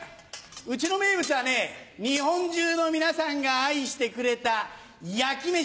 うちの名物はね日本中の皆さんが愛してくれた焼き飯！